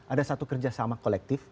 ada satu kerjasama kolektif